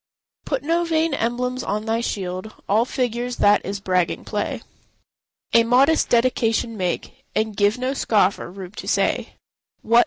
Put no vain emblems on thy shield; All figures—that is bragging play. A modest dedication make, And give no scoffer room to say, "What!